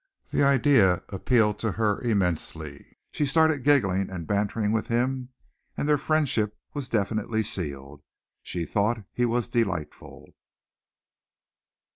The idea appealed to her immensely. She started giggling and bantering with him and their friendship was definitely sealed. She thought he was delightful.